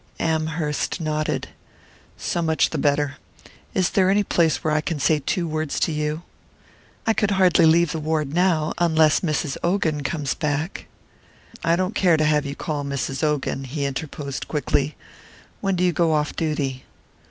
Amherst nodded. "So much the better. Is there any place where I can say two words to you?" "I could hardly leave the ward now, unless Mrs. Ogan comes back." "I don't care to have you call Mrs. Ogan," he interposed quickly. "When do you go off duty?"